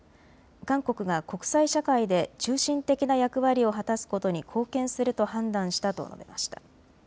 韓国が国際社会で中心的な役割を果たすことに貢献すると判断したと述べました。